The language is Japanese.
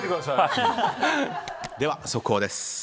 では速報です。